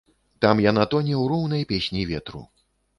Там яна тоне ў роўнай песні ветру.